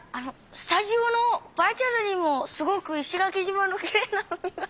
スタジオのバーチャルにもすごく石垣島のきれいな海が。